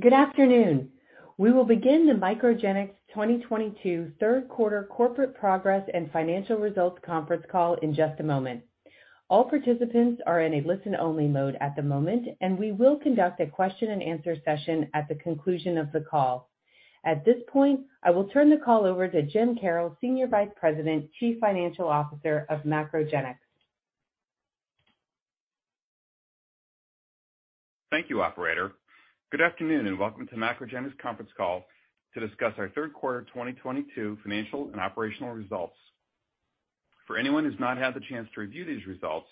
Good afternoon. We will begin the MacroGenics 2022 third quarter corporate progress and financial results conference call in just a moment. All participants are in a listen-only mode at the moment, and we will conduct a question and answer session at the conclusion of the call. At this point, I will turn the call over to James Karrels, Senior Vice President, Chief Financial Officer of MacroGenics. Thank you, operator. Good afternoon, and welcome to MacroGenics conference call to discuss our third quarter 2022 financial and operational results. For anyone who's not had the chance to review these results,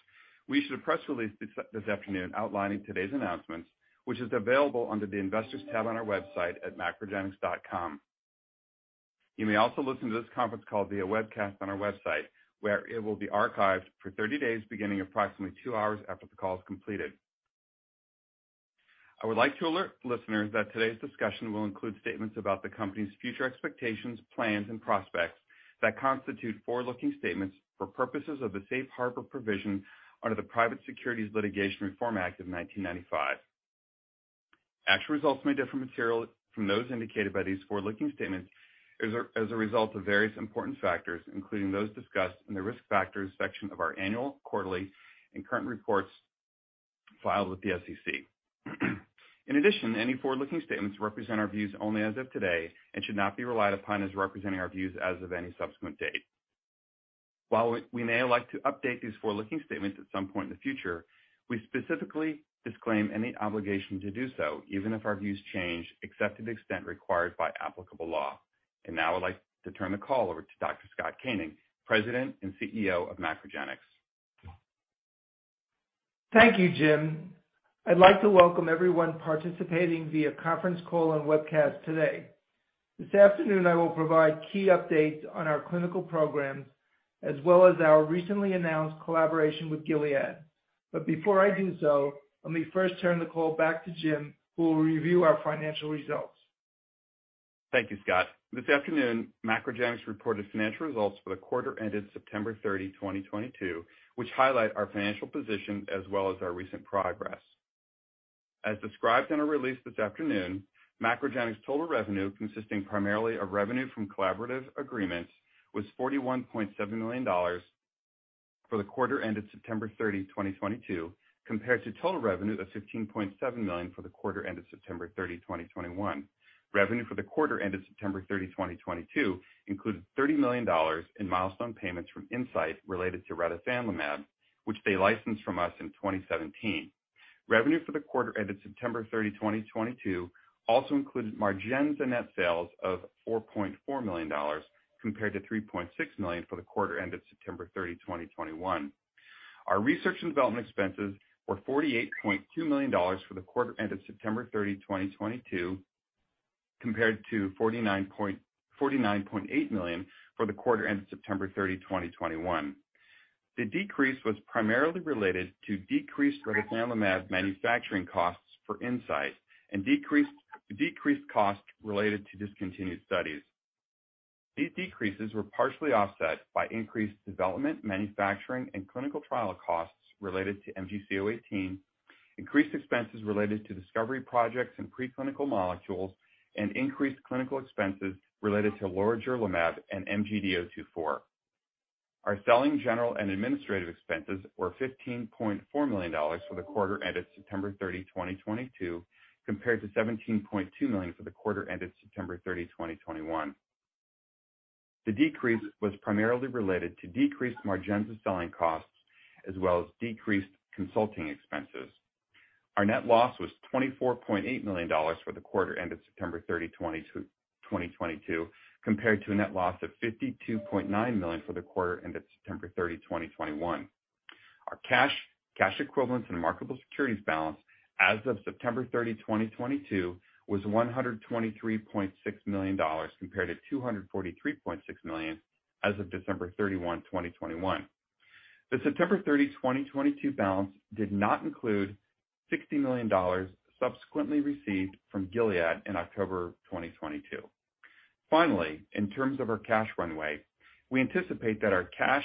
we issued a press release this afternoon outlining today's announcements, which is available under the Investors tab on our website at macrogenics.com. You may also listen to this conference call via webcast on our website, where it will be archived for 30 days, beginning approximately two hours after the call is completed. I would like to alert listeners that today's discussion will include statements about the company's future expectations, plans, and prospects that constitute forward-looking statements for purposes of the safe harbor provision under the Private Securities Litigation Reform Act of 1995. Actual results may differ materially from those indicated by these forward-looking statements as a result of various important factors, including those discussed in the Risk Factors section of our annual, quarterly, and current reports filed with the SEC. In addition, any forward-looking statements represent our views only as of today and should not be relied upon as representing our views as of any subsequent date. While we may like to update these forward-looking statements at some point in the future, we specifically disclaim any obligation to do so, even if our views change, except to the extent required by applicable law. Now I'd like to turn the call over to Dr. Scott Koenig, President and CEO of MacroGenics. Thank you, Jim. I'd like to welcome everyone participating via conference call and webcast today. This afternoon, I will provide key updates on our clinical programs, as well as our recently announced collaboration with Gilead. Before I do so, let me first turn the call back to Jim, who will review our financial results. Thank you, Scott. This afternoon, MacroGenics reported financial results for the quarter ended September 30, 2022, which highlight our financial position as well as our recent progress. As described in our release this afternoon, MacroGenics total revenue, consisting primarily of revenue from collaborative agreements, was $41.7 million for the quarter ended September 30, 2022, compared to total revenue of $15.7 million for the quarter ended September 30, 2021. Revenue for the quarter ended September 30, 2022 included $30 million in milestone payments from Incyte related to retifanlimab, which they licensed from us in 2017. Revenue for the quarter ended September 30, 2022 also included MARGENZA net sales of $4.4 million, compared to $3.6 million for the quarter ended September 30, 2021. Our research and development expenses were $48.2 million for the quarter ended September 30, 2022, compared to $49.8 million for the quarter ended September 30, 2021. The decrease was primarily related to decreased retifanlimab manufacturing costs for Incyte and decreased costs related to discontinued studies. These decreases were partially offset by increased development, manufacturing, and clinical trial costs related to MGC018, increased expenses related to discovery projects and preclinical molecules, and increased clinical expenses related to lorigerlimab and MGD024. Our selling, general, and administrative expenses were $15.4 million for the quarter ended September 30, 2022, compared to $17.2 million for the quarter ended September 30, 2021. The decrease was primarily related to decreased MARGENZA selling costs as well as decreased consulting expenses. Our net loss was $24.8 million for the quarter ended September 30, 2022, compared to a net loss of $52.9 million for the quarter ended September 30, 2021. Our cash equivalents, and marketable securities balance as of September 30, 2022 was $123.6 million, compared to $243.6 million as of December 31, 2021. The September 30, 2022 balance did not include $60 million subsequently received from Gilead in October 2022. Finally, in terms of our cash runway, we anticipate that our cash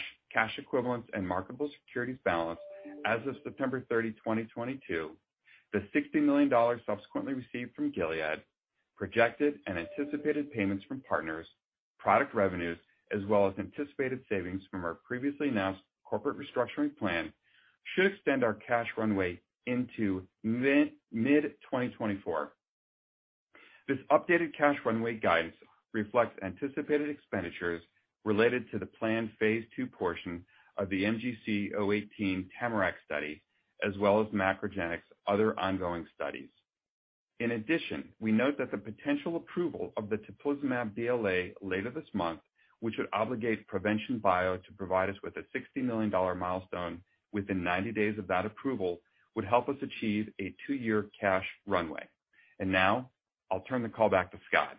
equivalents, and marketable securities balance as of September 30, 2022, the $60 million subsequently received from Gilead, projected and anticipated payments from partners, product revenues, as well as anticipated savings from our previously announced corporate restructuring plan should extend our cash runway into mid-2024. This updated cash runway guidance reflects anticipated expenditures related to the planned phase II portion of the MGC018 TAMARACK study as well as MacroGenics other ongoing studies. In addition, we note that the potential approval of the teplizumab BLA later this month, which would obligate Provention Bio to provide us with a $60 million milestone within 90 days of that approval, would help us achieve a two-year cash runway. Now I'll turn the call back to Scott.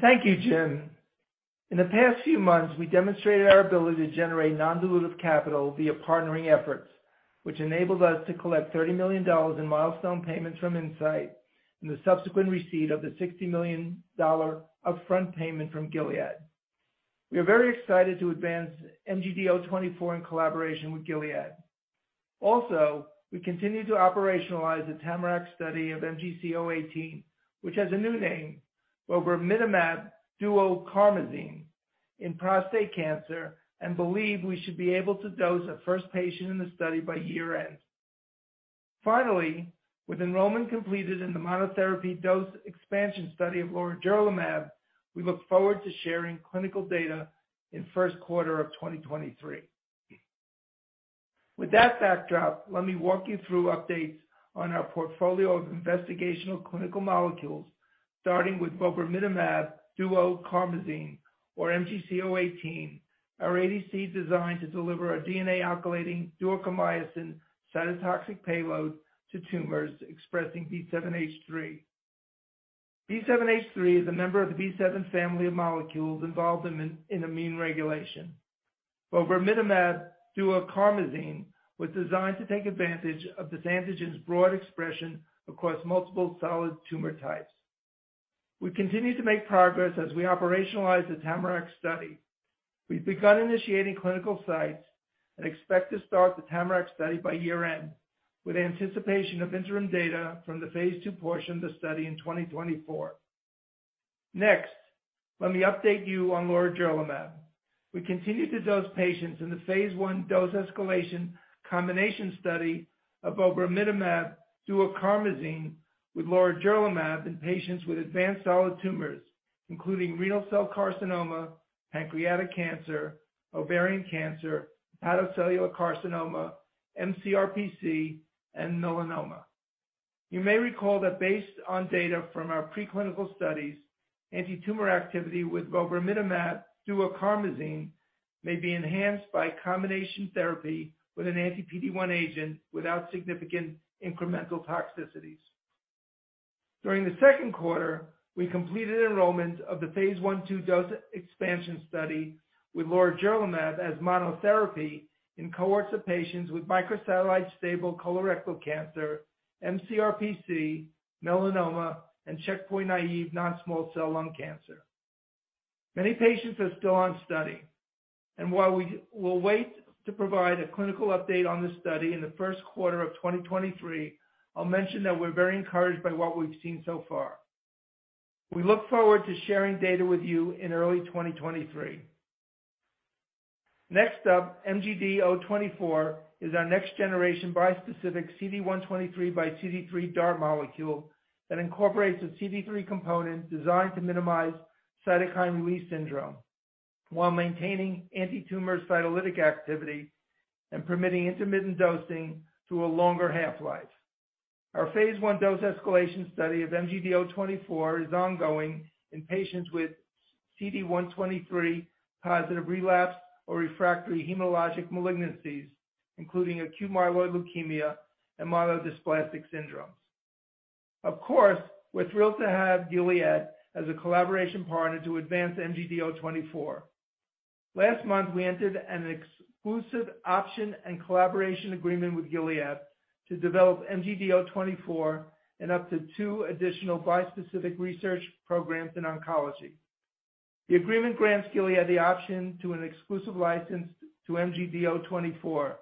Thank you, Jim. In the past few months, we demonstrated our ability to generate non-dilutive capital via partnering efforts, which enabled us to collect $30 million in milestone payments from Incyte and the subsequent receipt of the $60 million upfront payment from Gilead. We are very excited to advance MGD024 in collaboration with Gilead. Also, we continue to operationalize the TAMARACK study of MGC018, which has a new name, vobramitamab duocarmazine, in prostate cancer, and believe we should be able to dose a first patient in the study by year-end. Finally, with enrollment completed in the monotherapy dose expansion study of lorigerlimab, we look forward to sharing clinical data in first quarter of 2023. With that backdrop, let me walk you through updates on our portfolio of investigational clinical molecules, starting with vobramitamab duocarmazine, or MGC018, our ADC designed to deliver a DNA-alkylating duocarmycin cytotoxic payload to tumors expressing B7H3. B7H3 is a member of the B7 family of molecules involved in immune regulation. Vobramitamab duocarmazine was designed to take advantage of this antigen's broad expression across multiple solid tumor types. We continue to make progress as we operationalize the TAMARACK study. We've begun initiating clinical sites and expect to start the TAMARACK study by year-end, with anticipation of interim data from the phase II portion of the study in 2024. Next, let me update you on lorigerlimab. We continue to dose patients in the phase I dose escalation combination study of vobramitamab duocarmazine with lorigerlimab in patients with advanced solid tumors, including renal cell carcinoma, pancreatic cancer, ovarian cancer, hepatocellular carcinoma, mCRPC, and melanoma. You may recall that based on data from our preclinical studies, antitumor activity with vobramitamab duocarmazine may be enhanced by combination therapy with an anti-PD-1 agent without significant incremental toxicities. During the second quarter, we completed enrollment of the phase I/II dose expansion study with lorigerlimab as monotherapy in cohorts of patients with microsatellite stable colorectal cancer, mCRPC, melanoma, and checkpoint-naive non-small cell lung cancer. Many patients are still on study, and while we will wait to provide a clinical update on this study in the first quarter of 2023, I'll mention that we're very encouraged by what we've seen so far. We look forward to sharing data with you in early 2023. Next up, MGD024 is our next-generation bispecific CD123 x CD3 DART molecule that incorporates a CD3 component designed to minimize cytokine release syndrome while maintaining antitumor cytolytic activity and permitting intermittent dosing through a longer half-life. Our phase I dose escalation study of MGD024 is ongoing in patients with CD123-positive relapsed or refractory hematologic malignancies, including acute myeloid leukemia and myelodysplastic syndromes. Of course, we're thrilled to have Gilead as a collaboration partner to advance MGD024. Last month, we entered an exclusive option and collaboration agreement with Gilead to develop MGD024 and up to two additional bispecific research programs in oncology. The agreement grants Gilead the option to an exclusive license to MGD024.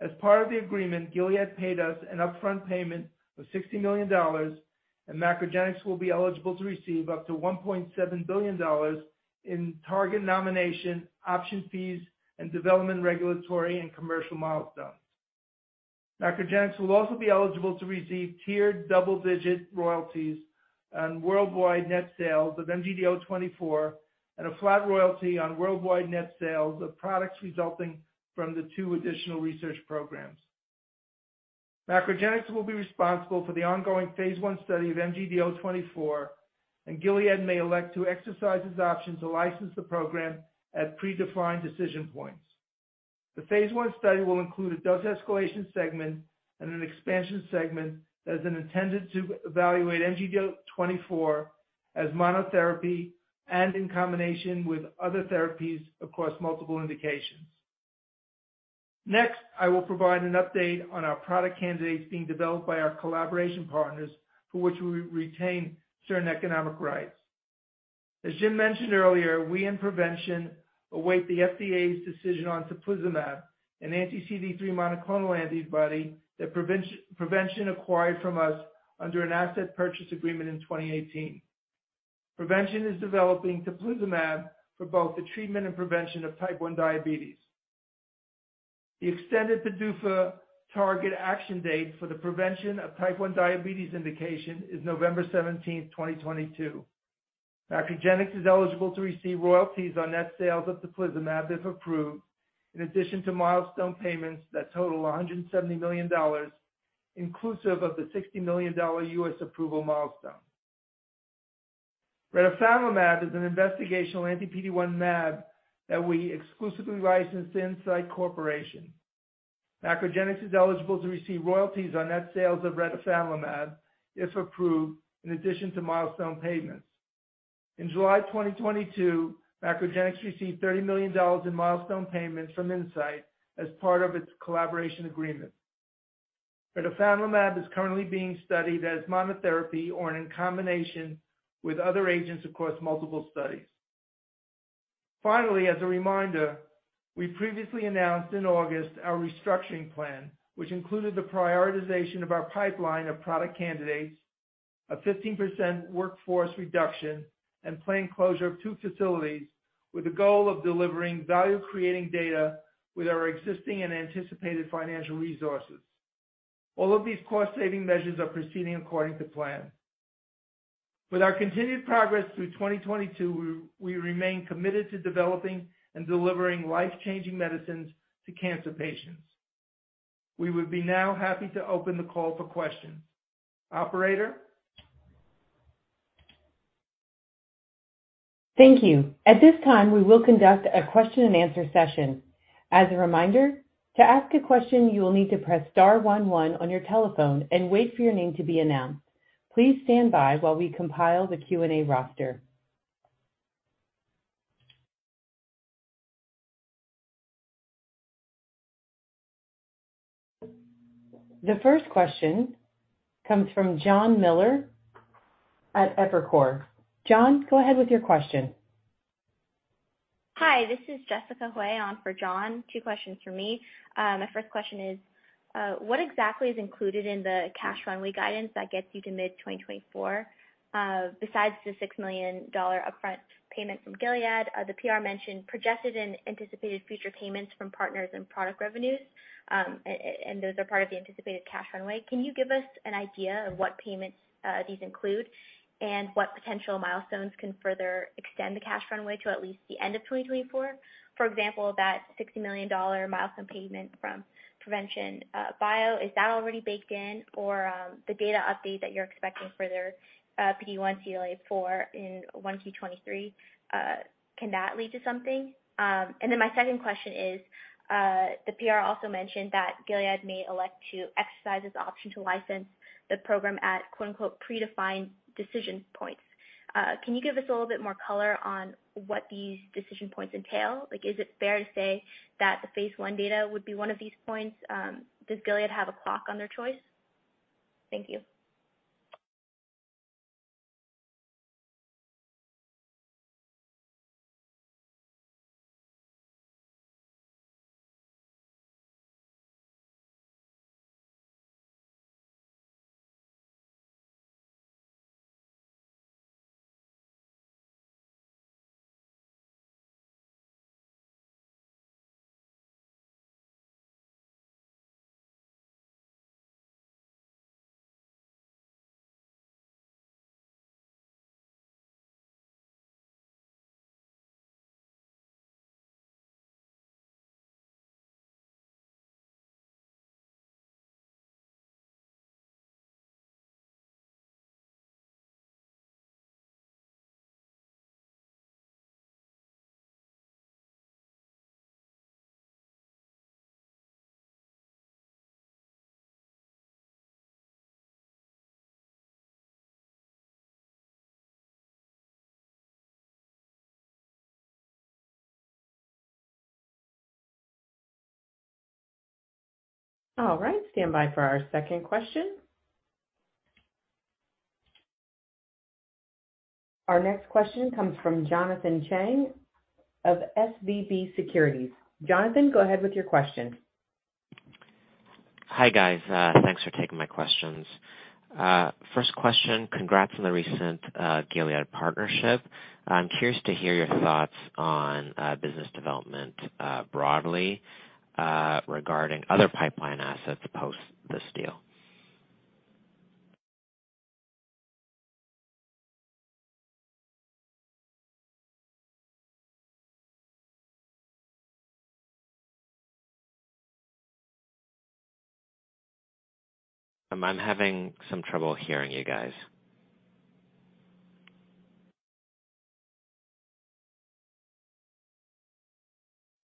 As part of the agreement, Gilead paid us an upfront payment of $60 million, and MacroGenics will be eligible to receive up to $1.7 billion in target nomination, option fees, and development regulatory and commercial milestones. MacroGenics will also be eligible to receive tiered double-digit royalties on worldwide net sales of MGD024 and a flat royalty on worldwide net sales of products resulting from the two additional research programs. MacroGenics will be responsible for the ongoing phase I study of MGD024, and Gilead may elect to exercise its option to license the program at predefined decision points. The phase I study will include a dose escalation segment and an expansion segment that is intended to evaluate MGD024 as monotherapy and in combination with other therapies across multiple indications. Next, I will provide an update on our product candidates being developed by our collaboration partners, for which we retain certain economic rights. As Jim mentioned earlier, we and Provention await the FDA's decision on teplizumab, an anti-CD3 monoclonal antibody that Provention acquired from us under an asset purchase agreement in 2018. Provention is developing teplizumab for both the treatment and prevention of type 1 diabetes. The extended PDUFA target action date for the prevention of type 1 diabetes indication is November 17, 2022. MacroGenics is eligible to receive royalties on net sales of teplizumab if approved, in addition to milestone payments that total $170 million, inclusive of the $60 million U.S. approval milestone. Retifanlimab is an investigational anti-PD-1 mAb that we exclusively licensed to Incyte Corporation. MacroGenics is eligible to receive royalties on net sales of retifanlimab if approved, in addition to milestone payments. In July 2022, MacroGenics received $30 million in milestone payments from Incyte as part of its collaboration agreement. Retifanlimab is currently being studied as monotherapy or in combination with other agents across multiple studies. Finally, as a reminder, we previously announced in August our restructuring plan, which included the prioritization of our pipeline of product candidates, a 15% workforce reduction, and planned closure of two facilities with the goal of delivering value-creating data with our existing and anticipated financial resources. All of these cost-saving measures are proceeding according to plan. With our continued progress through 2022, we remain committed to developing and delivering life-changing medicines to cancer patients. We would be now happy to open the call for questions. Operator? Thank you. At this time, we will conduct a question-and-answer session. As a reminder, to ask a question, you will need to press star one one on your telephone and wait for your name to be announced. Please stand by while we compile the Q&A roster. The first question comes from Jonathan Miller at Evercore. John, go ahead with your question. Hi, this is Jessica Fye on for John. Two questions from me. My first question is, what exactly is included in the cash runway guidance that gets you to mid-2024, besides the $6 million upfront payment from Gilead? The PR mentioned projected and anticipated future payments from partners and product revenues, and those are part of the anticipated cash runway. Can you give us an idea of what payments these include and what potential milestones can further extend the cash runway to at least the end of 2024? For example, that $60 million milestone payment from Provention Bio, is that already baked in or, the data update that you're expecting for their PD-1 CTLA-4 in 1Q 2023, can that lead to something? My second question is, the PR also mentioned that Gilead may elect to exercise this option to license the program at quote-unquote predefined decision points. Can you give us a little bit more color on what these decision points entail? Like, is it fair to say that the phase one data would be one of these points? Does Gilead have a clock on their choice? Thank you. All right, stand by for our second question. Our next question comes from Jonathan Chang of SVB Securities. Jonathan, go ahead with your question. Hi, guys. Thanks for taking my questions. First question, congrats on the recent Gilead partnership. I'm curious to hear your thoughts on business development broadly regarding other pipeline assets post this deal. I'm having some trouble hearing you guys.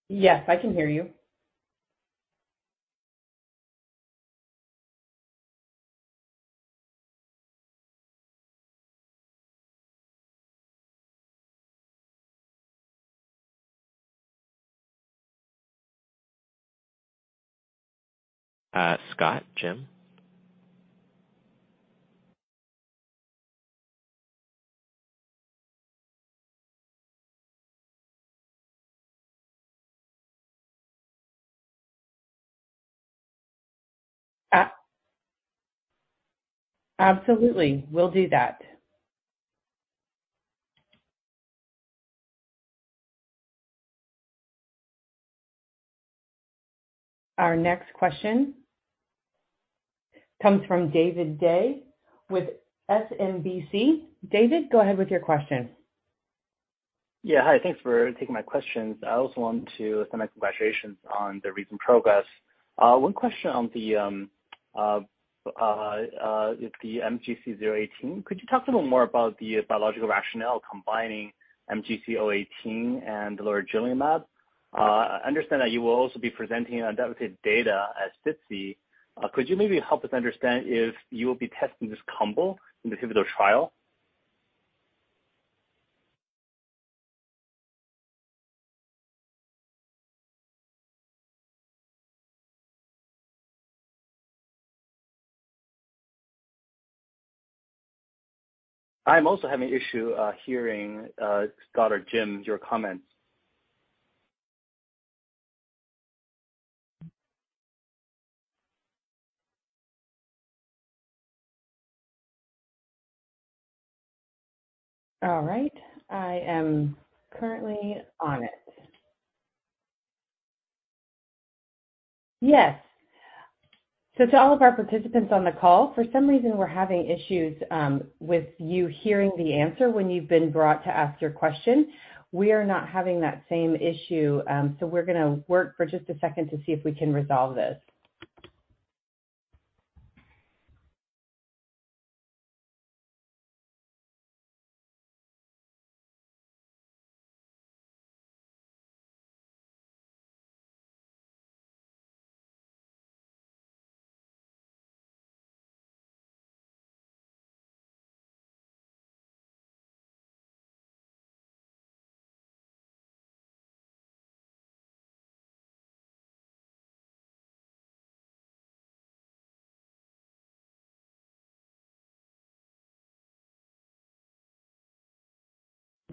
Yes, I can hear you. Scott, Jim? Absolutely. We'll do that. Our next question comes from David Dai with SMBC. David, go ahead with your question. Yeah. Hi, thanks for taking my questions. I also want to send my congratulations on the recent progress. One question on the MGC018. Could you talk a little more about the biological rationale combining MGC018 and lorigerlimab? I understand that you will also be presenting on dedicated data at SITC. Could you maybe help us understand if you will be testing this combo in the pivotal trial? I'm also having an issue hearing Scott or Jim, your comments. All right. I am currently on it. Yes. To all of our participants on the call, for some reason, we're having issues with you hearing the answer when you've been brought to ask your question. We are not having that same issue. We're gonna work for just a second to see if we can resolve this.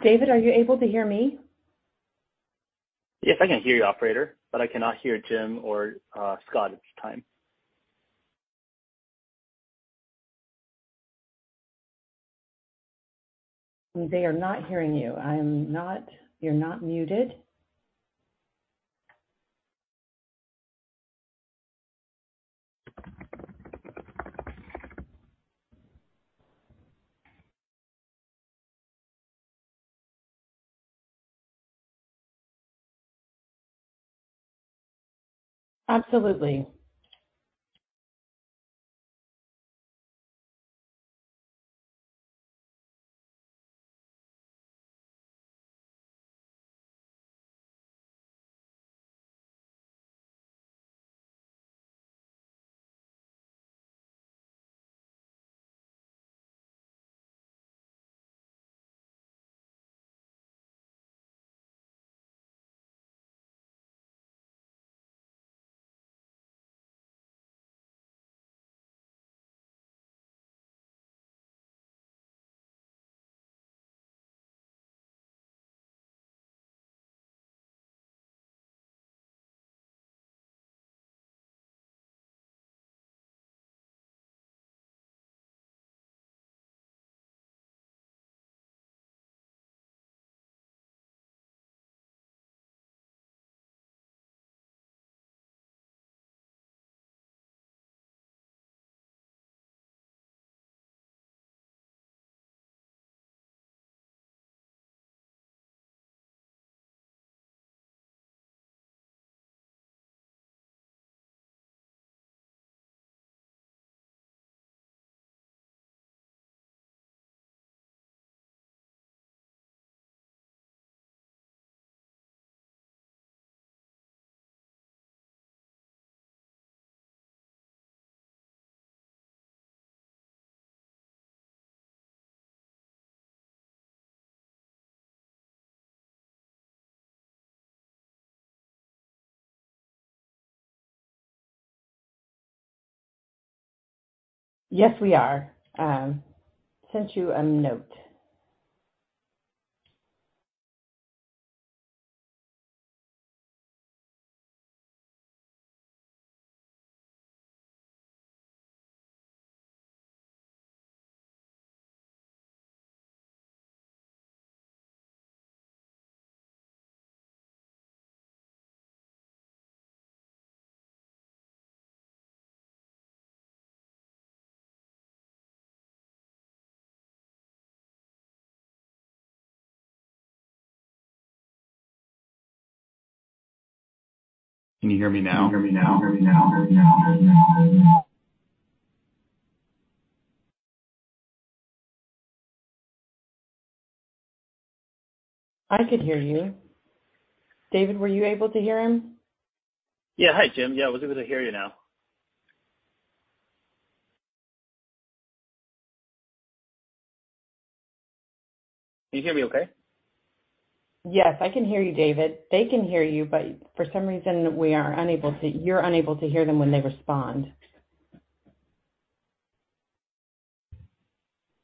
David, are you able to hear me? Yes, I can hear you, operator, but I cannot hear Jim or Scott at this time. They are not hearing you. You're not muted. Absolutely. I can hear you. David, were you able to hear him? Yeah. Hi, Jim. Yeah, I was able to hear you now. Can you hear me okay? Yes, I can hear you, David. They can hear you, but for some reason, you're unable to hear them when they respond.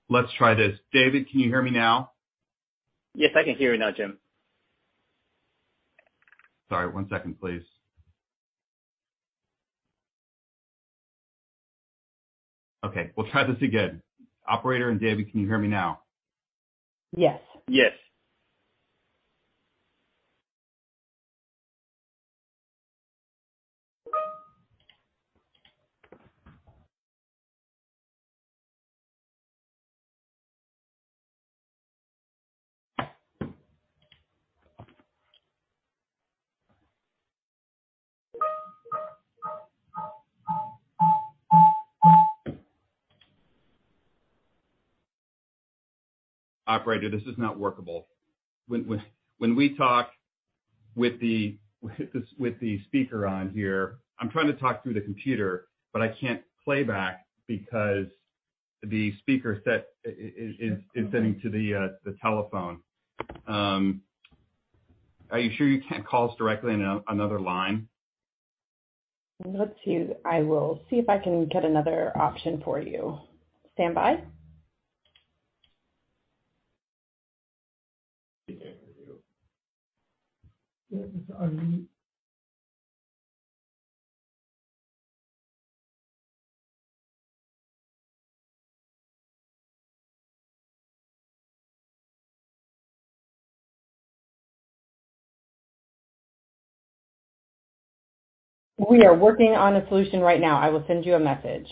Let's try this. David, can you hear me now? Yes, I can hear you now, Jim. Sorry, one second, please. Okay, we'll try this again. Operator and David, can you hear me now? Yes. Yes. Operator, this is not workable. When we talk with the speaker on here, I'm trying to talk through the computer, but I can't play back because the speaker set is sending to the telephone. Are you sure you can't call us directly on another line? Let's see. I will see if I can get another option for you. Standby. We are working on a solution right now. I will send you a message.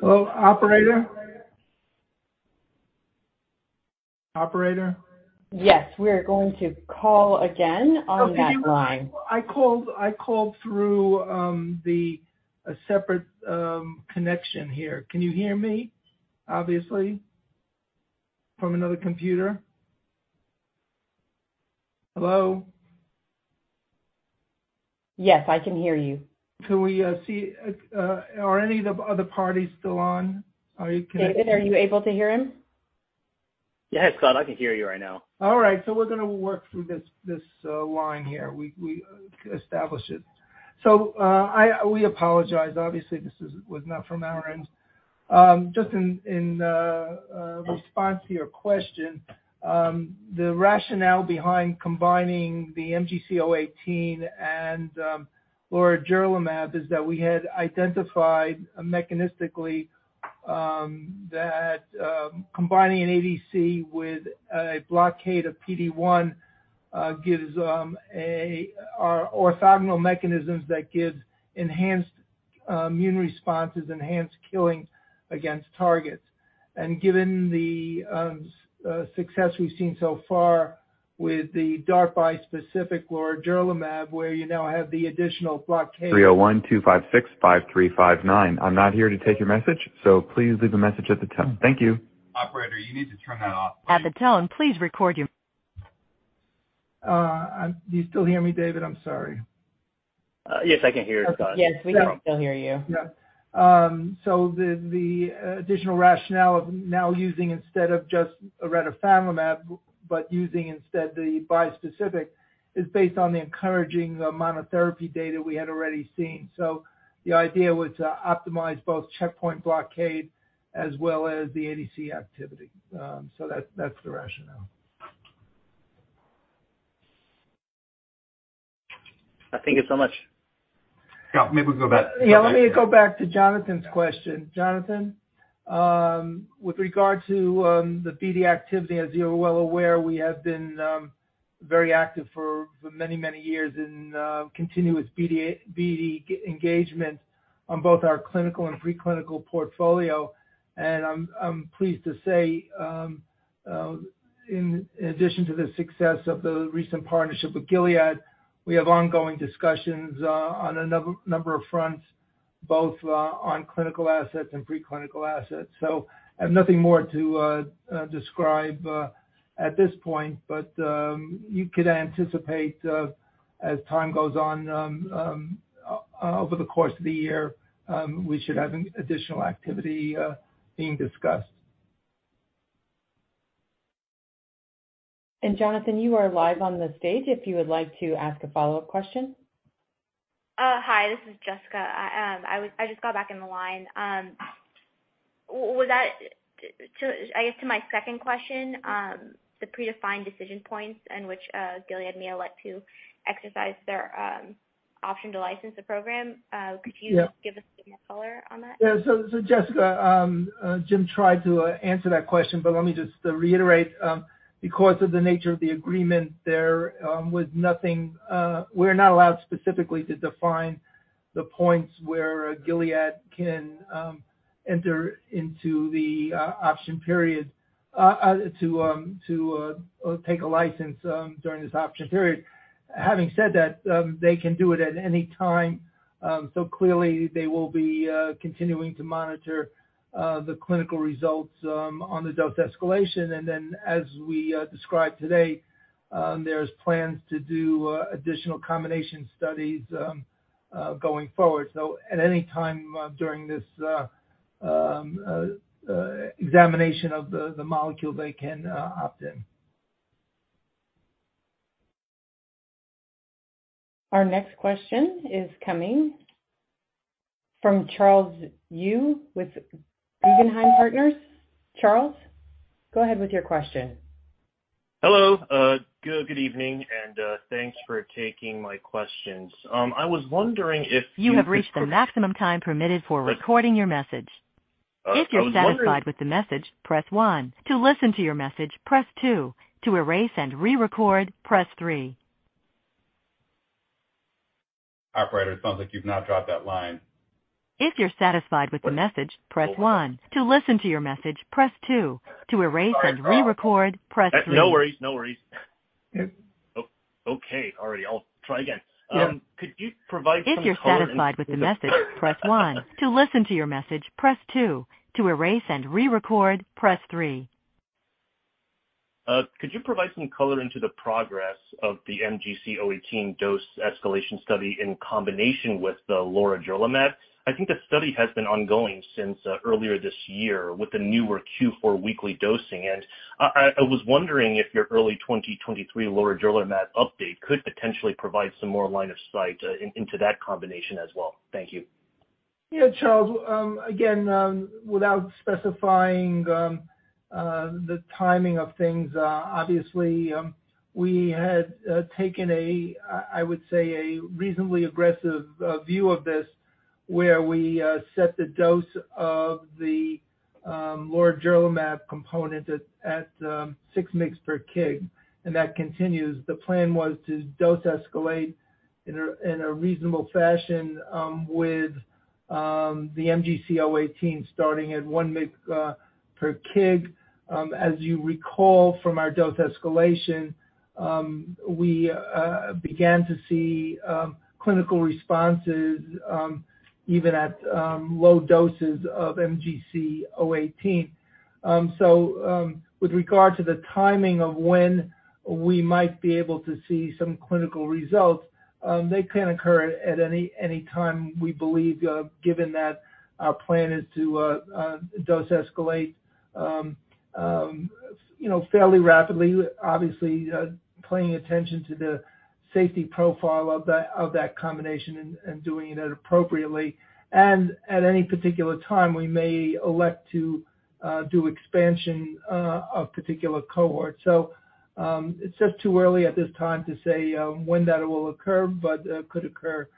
Hello, operator? Operator? Yes, we are going to call again on that line. I called through a separate connection here. Can you hear me, obviously, from another computer? Hello. Yes, I can hear you. Can we see, are any of the other parties still on? Are you- David, are you able to hear him? Yes, Scott, I can hear you right now. All right. We're gonna work through this line here. We establish it. We apologize. Obviously, this was not from our end. Just in response to your question, the rationale behind combining the MGC018 and lorigerlimab is that we had identified mechanistically that combining an ADC with a blockade of PD-1 gives orthogonal mechanisms that gives enhanced immune responses, enhanced killing against targets. Given the success we've seen so far with the DART bispecific lorigerlimab, where you now have the additional blockade. Operator, you need to turn that off. Do you still hear me, David? I'm sorry. Yes, I can hear you, Scott. Yes, we can still hear you. Yeah, the additional rationale of now using instead of just a retifanlimab, but using instead the bispecific is based on the encouraging monotherapy data we had already seen. The idea was to optimize both checkpoint blockade as well as the ADC activity. That's the rationale. Thank you so much. Yeah. Maybe we can go back. Yeah. Let me go back to Jonathan's question. Jonathan, with regard to the BD activity, as you're well aware, we have been very active for many years in continuous BD engagement on both our clinical and preclinical portfolio. I'm pleased to say, in addition to the success of the recent partnership with Gilead, we have ongoing discussions on a number of fronts, both on clinical assets and preclinical assets. I have nothing more to describe at this point, but you could anticipate, as time goes on, over the course of the year, we should have an additional activity being discussed. Jonathan, you are live on the stage if you would like to ask a follow-up question. Hi, this is Jessica. I just got back in the line. I guess to my second question, the predefined decision points in which Gilead may elect to exercise their. Option to license the program. Yeah. Could you give us a bit more color on that? Yeah, Jessica, Jim tried to answer that question, but let me just reiterate. Because of the nature of the agreement, there was nothing we're not allowed specifically to define the points where Gilead can enter into the option period to take a license during this option period. Having said that, they can do it at any time. Clearly they will be continuing to monitor the clinical results on the dose escalation. As we described today, there's plans to do additional combination studies going forward. At any time during this examination of the molecule, they can opt-in. Our next question is coming from Charles Zhu with Guggenheim Partners. Charles, go ahead with your question. Hello. Good evening and, thanks for taking my questions. I was wondering if you could. I was wondering. Operator, it sounds like you've now dropped that line. No worries, no worries. Yeah. Okay. All right, Try again. Yeah. Could you provide some color into- Could you provide some color into the progress of the MGC018 dose escalation study in combination with the lorigerlimab? I think the study has been ongoing since earlier this year with the newer Q4 weekly dosing. I was wondering if your early 2023 lorigerlimab update could potentially provide some more line of sight into that combination as well. Thank you. Yeah, Charles. Again, without specifying the timing of things, obviously, we had taken a, I would say a reasonably aggressive view of this where we set the dose of the lorigerlimab component at 6 mg per kg, and that continues. The plan was to dose escalate in a reasonable fashion with the MGC018 starting at 1 mg per kg. As you recall from our dose escalation, we began to see clinical responses even at low doses of MGC018. With regard to the timing of when we might be able to see some clinical results, they can occur at any time, we believe, given that our plan is to dose escalate, you know, fairly rapidly, obviously, paying attention to the safety profile of that combination and doing it appropriately. At any particular time, we may elect to do expansion of particular cohorts. It's just too early at this time to say when that will occur, but could occur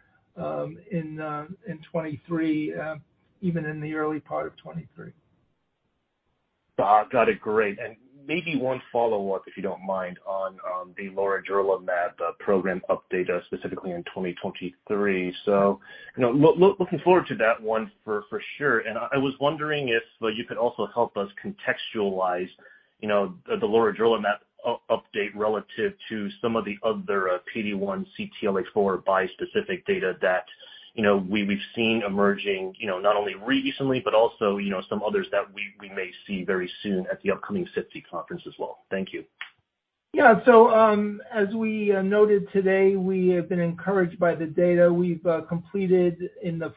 in 2023, even in the early part of 2023. Got it. Great. Maybe one follow-up, if you don't mind, on the lorigerlimab program update, specifically in 2023. You know, looking forward to that one for sure. I was wondering if you could also help us contextualize, you know, the lorigerlimab update relative to some of the other PD-1/CTLA-4 bispecific data that, you know, we've seen emerging, you know, not only recently, but also, you know, some others that we may see very soon at the upcoming SITC conference as well. Thank you. Yeah. As we noted today, we have been encouraged by the data we've completed in the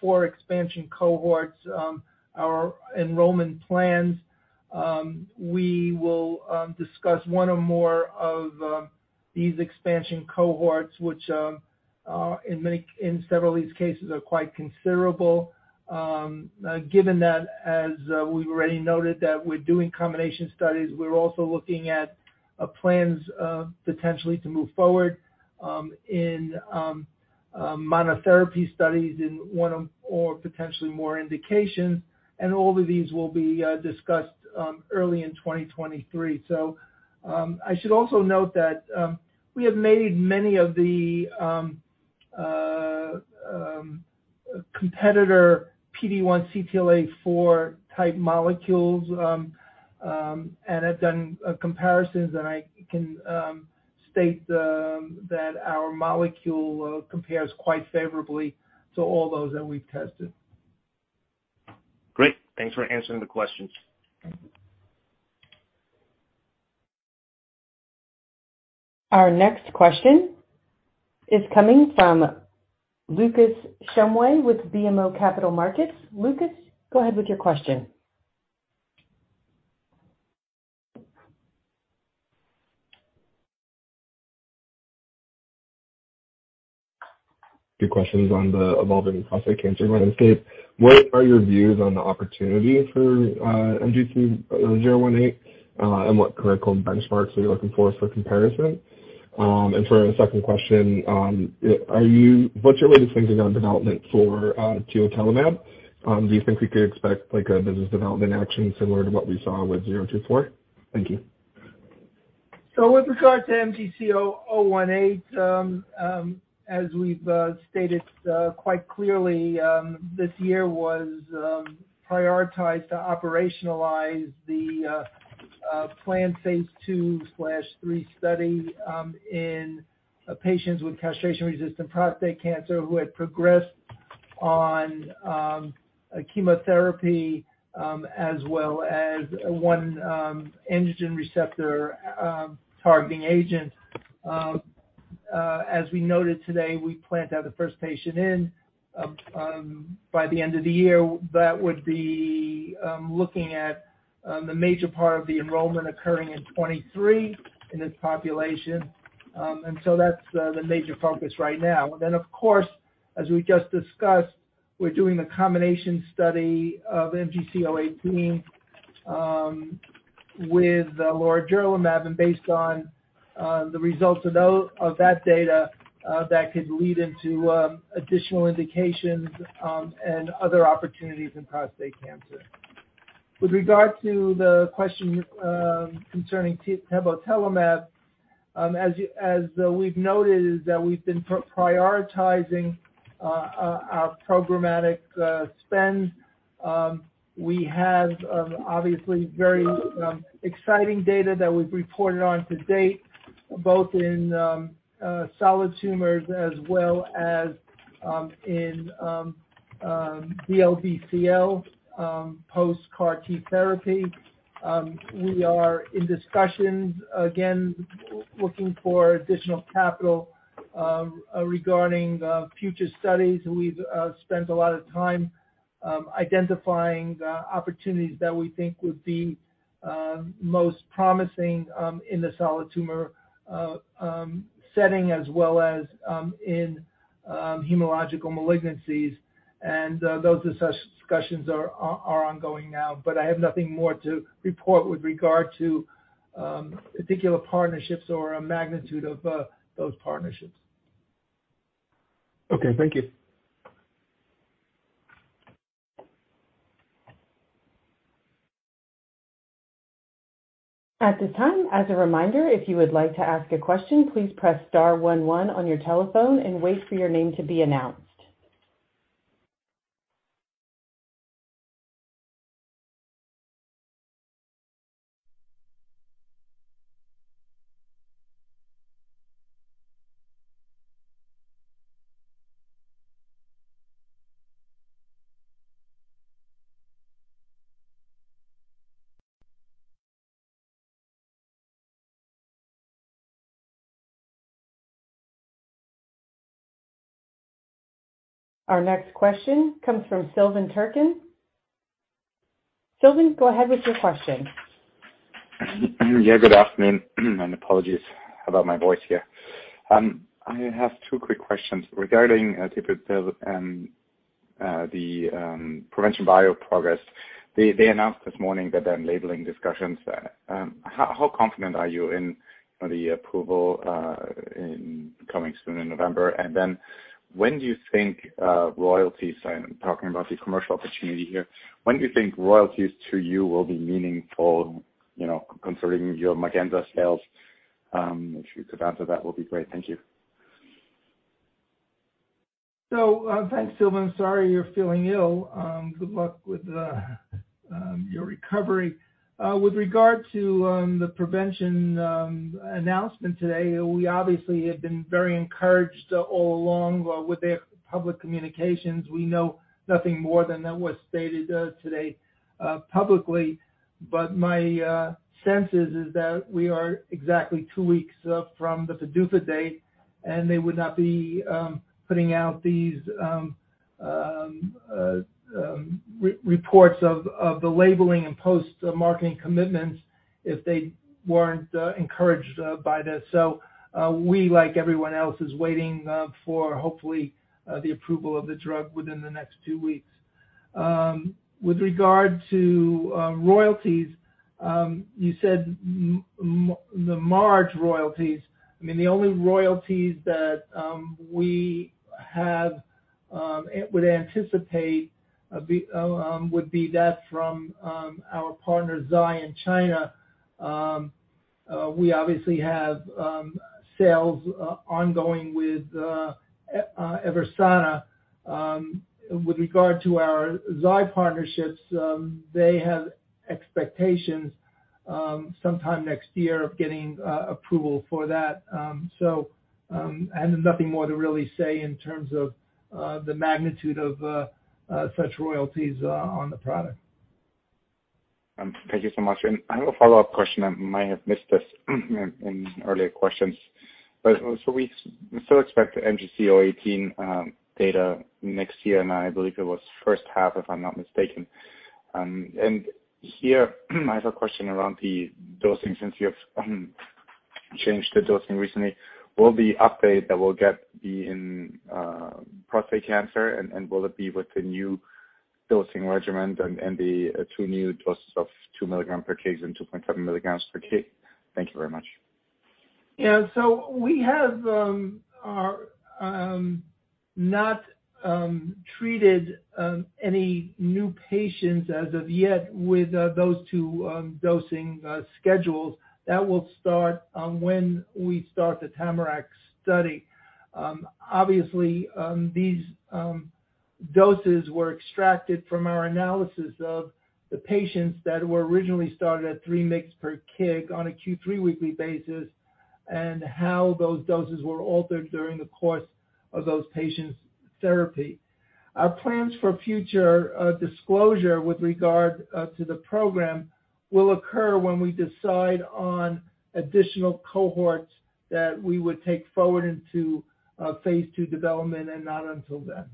four expansion cohorts, our enrollment plans. We will discuss one or more of these expansion cohorts which in several of these cases are quite considerable. Given that as we've already noted that we're doing combination studies, we're also looking at plans potentially to move forward in monotherapy studies in one or potentially more indications. All of these will be discussed early in 2023. I should also note that we have made many of the competitor PD-1/CTLA-4 type molecules and have done comparisons, and I can state that our molecule compares quite favorably to all those that we've tested. Great. Thanks for answering the questions. Our next question is coming from Lukas Shumway with BMO Capital Markets. Lukas, go ahead with your question. A few questions on the evolving prostate cancer landscape. What are your views on the opportunity for MGC018, and what clinical benchmarks are you looking for comparison? For a second question, what's your latest thinking on development for tebotelimab? Do you think we could expect like a business development action similar to what we saw with 024? Thank you. With regards to MGC018, as we've stated quite clearly, this year was prioritized to operationalize the planned phase II/III study in patients with castration-resistant prostate cancer who had progressed on a chemotherapy as well as one androgen receptor targeting agent. As we noted today, we plan to have the first patient in by the end of the year. That would be looking at major part of the enrollment occurring in 2023 in this population. That's the major focus right now. Of course, as we just discussed, we're doing a combination study of MGC018 with lorigerlimab. Based on the results of that data, that could lead into additional indications and other opportunities in prostate cancer. With regard to the question concerning tebotelimab, as we've noted, we've been prioritizing our programmatic spend. We have obviously very exciting data that we've reported on to date, both in solid tumors as well as in DLBCL post-CAR T therapy. We are in discussions, again, looking for additional capital regarding the future studies. We've spent a lot of time identifying the opportunities that we think would be most promising in the solid tumor setting, as well as in hematological malignancies. Those discussions are ongoing now. I have nothing more to report with regard to particular partnerships or a magnitude of those partnerships. Okay, thank you. At this time, as a reminder, if you would like to ask a question, please press star one one on your telephone and wait for your name to be announced. Our next question comes from Silvan Tuerkcan. Silvan, go ahead with your question. Yeah, good afternoon and apologies about my voice here. I have two quick questions regarding teplizumab and the Provention Bio progress. They announced this morning that they're in labeling discussions. How confident are you in the approval coming soon in November? When do you think royalties, I'm talking about the commercial opportunity here. When do you think royalties to you will be meaningful, you know, considering your MARGENZA sales? If you could answer that would be great. Thank you. Thanks, Silvan. Sorry you're feeling ill. Good luck with your recovery. With regard to the Provention announcement today, we obviously have been very encouraged all along with their public communications. We know nothing more than what's stated today publicly. My sense is that we are exactly two weeks from the PDUFA date, and they would not be putting out these reports of the labeling and post-marketing commitments if they weren't encouraged by this. We, like everyone else, is waiting for hopefully the approval of the drug within the next two weeks. With regard to royalties, you said the March royalties. I mean, the only royalties that we would anticipate would be from our partner Zai in China. We obviously have sales ongoing with EVERSANA. With regard to our Zai partnerships, they have expectations sometime next year of getting approval for that. I have nothing more to really say in terms of the magnitude of such royalties on the product. Thank you so much. I have a follow-up question. I might have missed this in earlier questions. We still expect the MGC018 data next year, and I believe it was first half, if I'm not mistaken. I have a question around the dosing, since you have changed the dosing recently. Will the update that we'll get be in prostate cancer and will it be with the new dosing regimen and the two new doses of 2 mg/kg and 2.7 mg/kg. Thank you very much. Yeah. We have not treated any new patients as of yet with those two dosing schedules. That will start when we start the TAMARACK study. Obviously, these doses were extracted from our analysis of the patients that were originally started at 3 mg per kg on a Q3 weekly basis, and how those doses were altered during the course of those patients' therapy. Our plans for future disclosure with regard to the program will occur when we decide on additional cohorts that we would take forward into phase II development and not until then.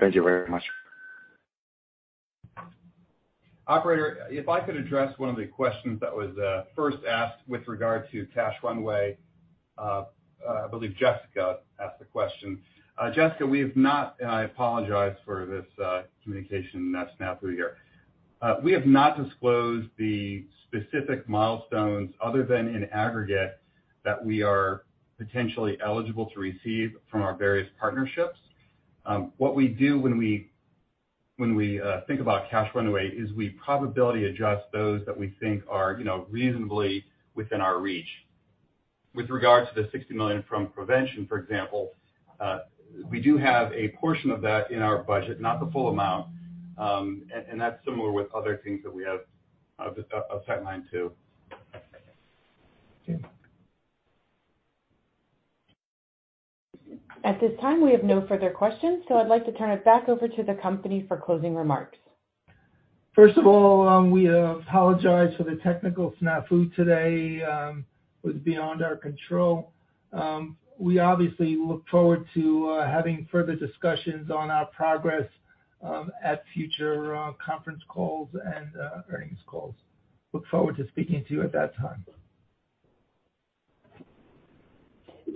Thank you very much. Operator, if I could address one of the questions that was first asked with regard to cash runway. I believe Jessica asked the question. Jessica, we have not, and I apologize for this communication snafu here. We have not disclosed the specific milestones other than in aggregate that we are potentially eligible to receive from our various partnerships. What we do when we think about cash runway is we probability adjust those that we think are, you know, reasonably within our reach. With regard to the $60 million from Provention, for example, we do have a portion of that in our budget, not the full amount. That's similar with other things that we have outlined too. Okay. At this time, we have no further questions, so I'd like to turn it back over to the company for closing remarks. First of all, we apologize for the technical snafu today that was beyond our control. We obviously look forward to having further discussions on our progress at future conference calls and earnings calls. Look forward to speaking to you at that time.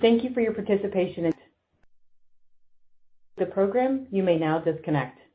Thank you for your participation in the program. You may now disconnect.